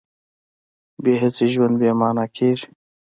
بې هڅې ژوند بې مانا کېږي.